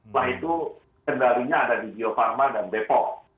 bahwa itu kendalinya ada di geofarma dan bepom